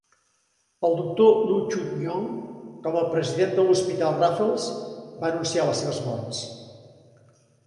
El doctor Loo Choon Yong, com a president de l'Hospital Raffles, va anunciar les seves morts.